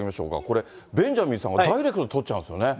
これ、ベンジャミンさん、ダイレクトに捕っちゃうんですよね。